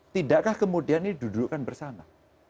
tidakkah kemudian ini dudukkan bersama